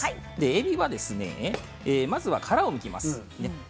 えびはですねまずは殻をむきます。